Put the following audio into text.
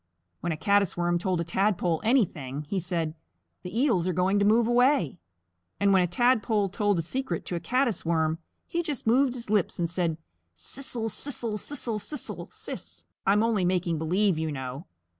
When a Caddis Worm told a Tadpole anything, he said, "The Eels are going to move away." And when a Tadpole told a secret to a Caddis Worm, he just moved his lips and said, "Siss el, siss el, siss el siss. I'm only making believe, you know."